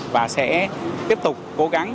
và sẽ tiếp tục cố gắng